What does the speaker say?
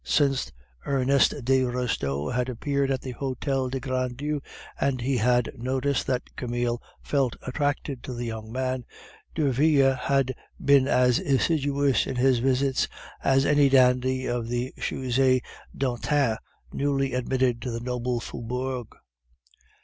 Since Ernest de Restaud had appeared at the Hotel de Grandlieu, and he had noticed that Camille felt attracted to the young man, Derville had been as assiduous in his visits as any dandy of the Chausee d'Antin newly admitted to the noble Faubourg.